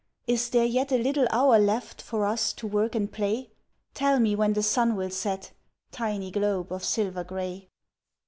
Is there yet a little hour left for us to work and play? Tell me when the sun will set tiny globe of silver grey.